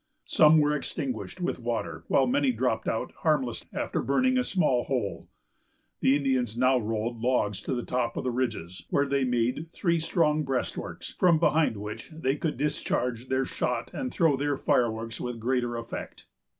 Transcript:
Some were extinguished with water, while many dropped out harmless after burning a small hole. The Indians now rolled logs to the top of the ridges, where they made three strong breastworks, from behind which they could discharge their shot and throw their fireworks with greater effect.